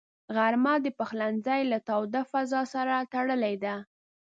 غرمه د پخلنځي له تاوده فضاء سره تړلې ده